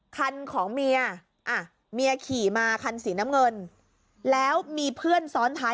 คันของเมียอ่ะเมียขี่มาคันสีน้ำเงินแล้วมีเพื่อนซ้อนท้าย